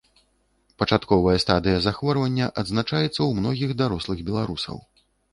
Пачатковая стадыя захворвання адзначаецца ў многіх дарослых беларусаў.